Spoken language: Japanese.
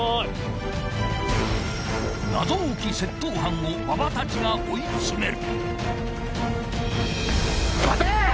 ［謎多き窃盗犯を馬場たちが追い詰める］